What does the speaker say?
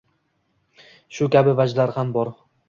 Shu kabi vajlar ham bor.